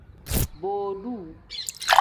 Boduu.